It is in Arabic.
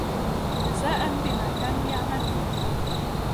جَزَاءً بِمَا كَانُوا يَعْمَلُونَ